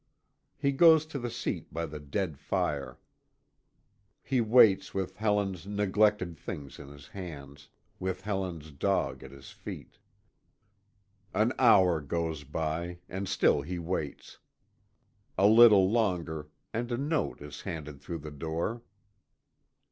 He goes to the seat by the dead fire. He waits with Helen's neglected things in his hands with Helen's dog at his feet. An hour goes by, and still he waits a little longer, and a note is handed through the door.